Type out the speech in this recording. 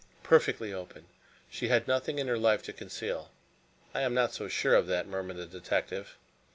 "Perfectly open. She had nothing in her life to conceal." "I am not so sure of that," murmured the detective.